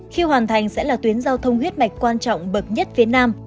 khi hoàn thành sẽ là tuyến giao thông huyết mạch quan trọng bậc nhất phía nam